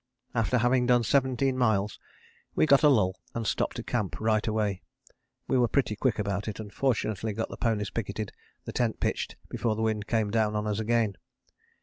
After having done seventeen miles we got a lull and stopped to camp right away. We were pretty quick about it, and fortunately got the ponies picketed, and tent pitched, before the wind came down on us again.